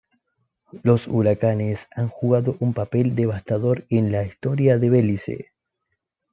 Los huracanes han jugado un papel devastador en la historia de Belice.